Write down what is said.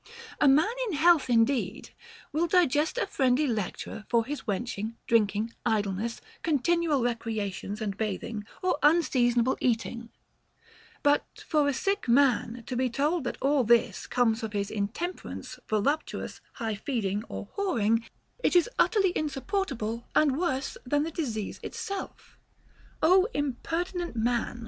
A man in health indeed will digest a friendly lecture for his wenching, drinking, idleness, continual recreations and bathing, or unseasonable eating ; but for a sick man to be told that all this comes of his intemperance, voluptuous ness, high feeding, or whoring, is utterly insupportable and worse than the disease itself. Ο impertinent man